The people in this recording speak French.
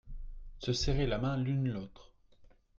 se serrer la main l'une l'autre.